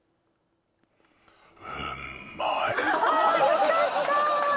あーよかった